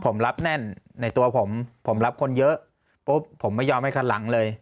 ผมรับแน่นในตัวผมผมรับคนเยอะปุ๊บผมไม่ยอมให้คันหลังเลย